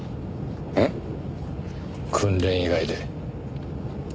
えっ？訓練以外で。